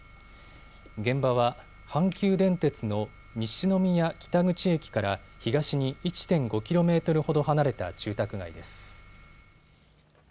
現場は阪急電鉄の西宮北口駅から東に１．５キロメートルほど離れた住宅街です。